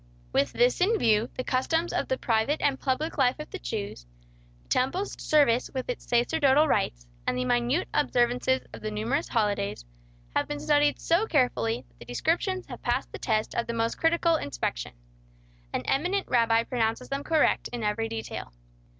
With this in view, the customs of the private and public life of the Jews, the temple service with its sacerdotal rites, and the minute observances of the numerous holidays have been studied so carefully that the descriptions have passed the test of the most critical inspection. An eminent rabbi pronounces them correct in every detail.